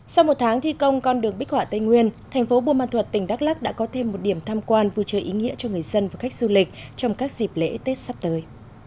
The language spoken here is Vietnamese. sau một tháng thi công con đường bích họa tây nguyên thành phố buôn ma thuật tỉnh đắk lắc đã có thêm một điểm tham quan vui chơi ý nghĩa cho người dân và khách du lịch trong các dịp lễ tết sắp tới